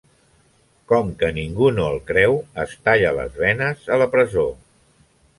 Com que ningú no el creu, es talla les venes a la presó.